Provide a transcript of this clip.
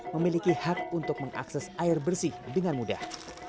memiliki hak untuk mengakses air bersih dengan mudah